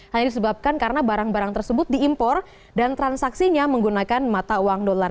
hanya disebabkan karena barang barang tersebut diimpor dan transaksinya menggunakan mata uang dolar